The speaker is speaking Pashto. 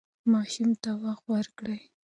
ماشوم ته وخت ورکړئ.